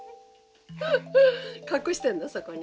隠してるんだそこに。